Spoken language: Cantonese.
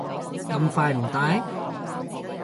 咁快唔戴？